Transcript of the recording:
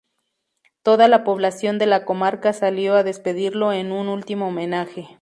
Toda la población de la comarca salió a despedirlo en un último homenaje.